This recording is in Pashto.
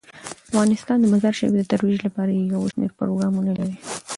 افغانستان د مزارشریف د ترویج لپاره یو شمیر پروګرامونه لري.